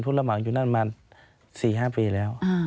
พุทธระมังยุนันมา๔๕ปีแล้ว